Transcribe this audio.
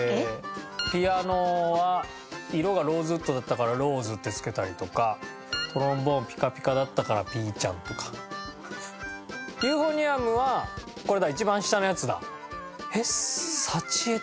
ピアノは色がローズウッドだったから「ローズ」って付けたりとかトロンボーンピカピカだったから「ピーちゃん」とか。ユーフォニアムはこれだ一番下のやつだ。